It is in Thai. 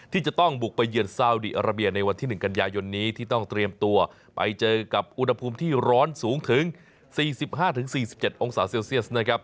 ที่จะต้องบุกไปเยือนซาวดีอาราเบียในวันที่๑กันยายนนี้ที่ต้องเตรียมตัวไปเจอกับอุณหภูมิที่ร้อนสูงถึง๔๕๔๗องศาเซลเซียสนะครับ